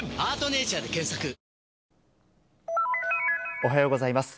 おはようございます。